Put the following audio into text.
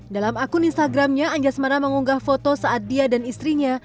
dalam akun instagramnya anjasmana mengunggah foto saat dia dan istrinya